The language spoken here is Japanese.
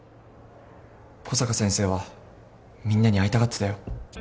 小坂先生はみんなに会いたがってたよ。